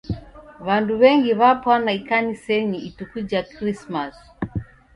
W'andu w'engi w'apwana ikanisenyi ituku ja Krismasi.